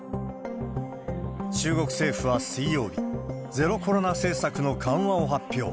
中国政府は水曜日、ゼロコロナ政策の緩和を発表。